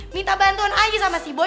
minta bantuan aja sama si boy